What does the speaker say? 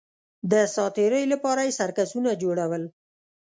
د ساتېرۍ لپاره یې سرکسونه جوړول